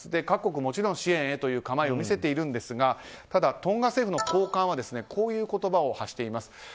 各国もちろん支援への構えを見せているんですがただ、トンガ政府の高官はこういう言葉を発しています。